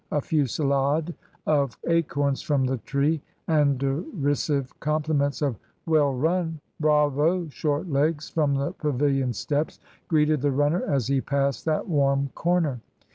A fusillade of acorns from the tree, and derisive compliments of "Well run!" "Bravo, Short legs!" from the pavilion steps, greeted the runner as he passed that warm corner.